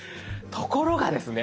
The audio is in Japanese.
ところがですね